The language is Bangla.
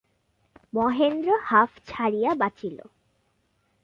মহেন্দ্র হাঁফ ছাড়িয়া বাঁচিল।